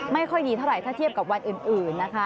ไม่ค่อยดีเท่าไหร่ถ้าเทียบกับวันอื่นนะคะ